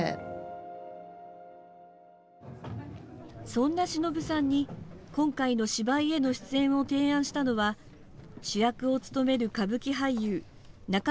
そんなしのぶさんに、今回の芝居への出演を提案したのは主役を務める歌舞伎俳優中村獅童さん。